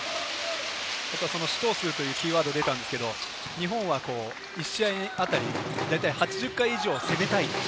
試投数というキーワードが出たんですが、日本は１試合当たり８０回以上攻めたい。